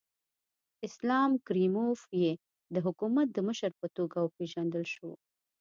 اسلام کریموف یې د حکومت د مشر په توګه وپېژندل شو.